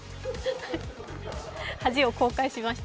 恥を公開しました。